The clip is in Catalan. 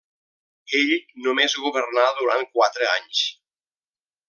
Ell només governà durant quatre anys.